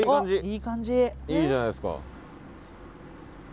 いいじゃないですか。